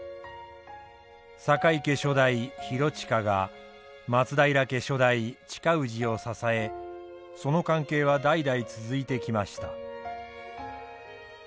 酒井家初代広親が松平家初代親氏を支えその関係は代々続いてきました。